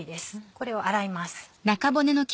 これを洗います。